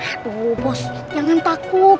aduh bos jangan takut